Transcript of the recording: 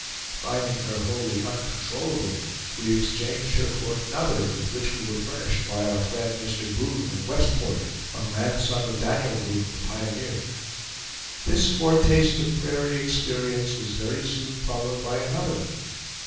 Finding her wholly uncontrollable, we exchanged her for another, with which we were furnished by our friend Mr. Boone of Westport, a grandson of Daniel Boone, the pioneer. This foretaste of prairie experience was very soon followed by another.